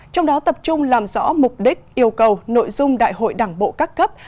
trong đó tập trung làm rõ mục đích yêu cầu nội dung đại hội đảng bộ các cấp